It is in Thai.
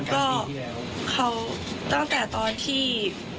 ใช่ค่ะแล้วก็เขาตั้งแต่ตอนที่